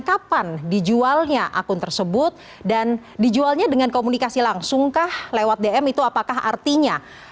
kapan dijualnya akun tersebut dan dijualnya dengan komunikasi langsung kah lewat dm itu apakah artinya